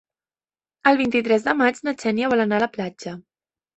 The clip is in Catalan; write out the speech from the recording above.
El vint-i-tres de maig na Xènia vol anar a la platja.